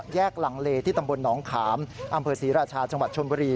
หลังเลที่ตำบลหนองขามอำเภอศรีราชาจังหวัดชนบุรี